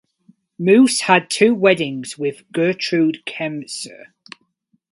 Muuss had two weddings with Gertrude Kremser.